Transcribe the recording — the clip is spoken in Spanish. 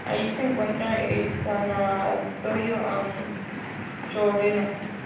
Ahí se encuentra el Sanatorio Anchorena.